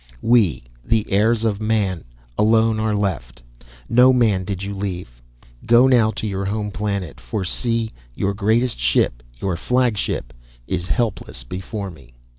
"We, the heirs of man, alone are left; no man did you leave. Go now to your home planet, for see, your greatest ship, your flagship, is helpless before me."